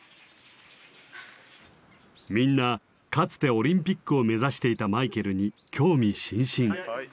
みんなかつてオリンピックを目指していたマイケルに興味津々。